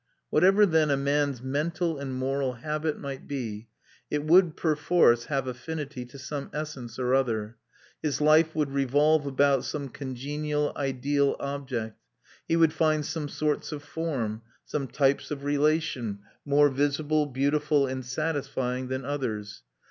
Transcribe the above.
Whatever, then, a man's mental and moral habit might be, it would perforce have affinity to some essence or other; his life would revolve about some congenial ideal object; he would find some sorts of form, some types of relation, more visible, beautiful, and satisfying than others.